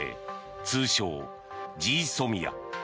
通称・ＧＳＯＭＩＡ。